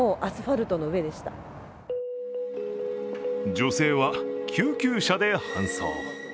女性は、救急車で搬送。